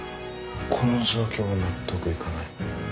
この状況は納得いかない。